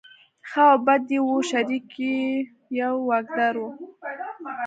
ښه او بد یې وو شریک یو یې واکدار و.